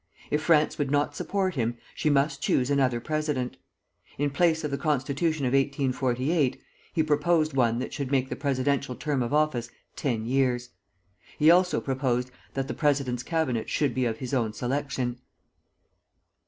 If France would not support him, she must choose another president. In place of the constitution of 1848 he proposed one that should make the presidential term of office ten years; he also proposed that the president's cabinet should be of his own selection.